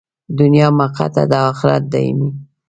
دنیا موقته ده، اخرت دایمي.